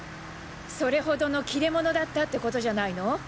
それほどの切れ者だったってことじゃないの？